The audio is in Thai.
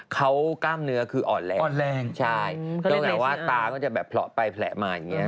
เขากล้ามเนื้อคืออ่อนแรงใช่เพราะแหละว่าตาก็จะแบบเพลาไปแผลมาอย่างนี้